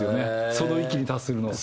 その域に達するのは。